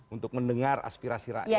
untuk mendengar aspirasi rakyat